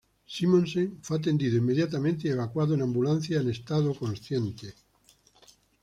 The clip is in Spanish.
Simonsen fue atendido inmediatamente y evacuado en ambulancia en estado consciente.